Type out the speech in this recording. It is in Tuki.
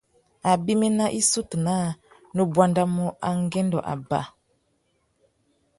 Abimî nà issutu naā nu buandamú angüêndô abà.